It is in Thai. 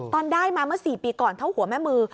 ตอนได้มาเมื่อ๔ปีก่อนเท่าหัวแม่มือ